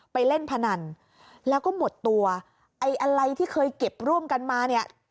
ไปเล่นพนันแล้วก็หมดตัวไอ้อะไรที่เคยเก็บร่วมกันมาเนี่ย